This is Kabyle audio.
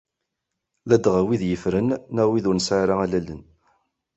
Ladɣa wid yeffren, neɣ wid ur nesɛi ara allalen.